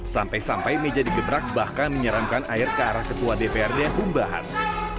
sampai sampai meja digebrak bahkan menyeramkan air ke arah ketua dprd humbaas